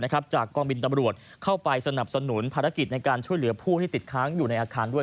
จากกองบินตำรวจเข้าไปสนับสนุนภารกิจในการช่วยเหลือผู้ที่ติดค้างอยู่ในอาคารด้วย